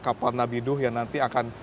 kapal nabi nuh yang nanti akan